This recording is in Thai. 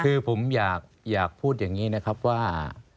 คือผมอยากพูดอย่างนี้นะครับว่า